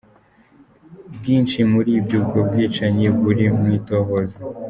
Bwinshi muri ubwo bwicanyi buri mw'itohoza.